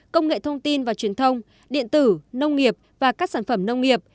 công nghệ thông tin và truyền thông điện tử nông nghiệp và các sản phẩm nông nghiệp